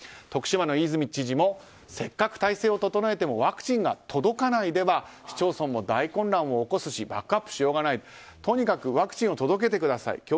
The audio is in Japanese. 徳島の飯泉知事もせっかく体制を整えてもワクチンが届かないでは市町村も大混乱を起こすしバックアップしようがないとにかくワクチンを届けてください